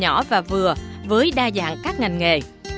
nhỏ và vừa với đa dạng các ngành nghề